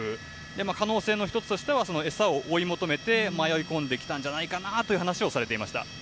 可能性の１つとしては餌を追い求めて迷い込んできたんじゃないかという話をされていました。